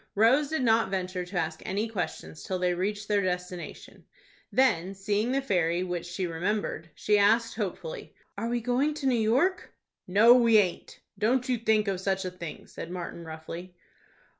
Rose did not venture to ask any questions till they reached their destination. Then seeing the ferry, which she remembered, she asked hopefully, "Are we going to New York?" "No, we aint. Don't you think of such a thing," said Martin, roughly.